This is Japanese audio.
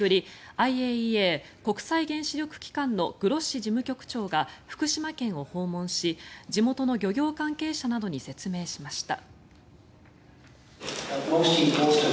ＩＡＥＡ・国際原子力機関のグロッシ事務局長が福島県を訪問し地元の漁業関係者などに説明しました。